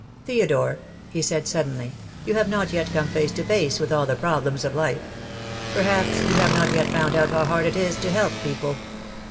"Theodore," he said suddenly, "you have not yet come face to face with all the problems of life. Perhaps you have not yet found out how hard it is to help people.